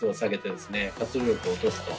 活動力を落とすと。